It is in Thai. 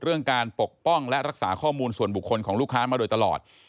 เรื่องการปกป้องและรักษาข้อมูลส่วนบุคคลของลูกค้ามาโดยตลอด